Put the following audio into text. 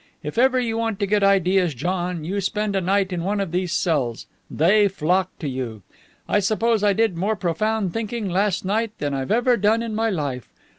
If ever you want to get ideas, John, you spend a night in one of these cells. They flock to you. I suppose I did more profound thinking last night than I've ever done in my life.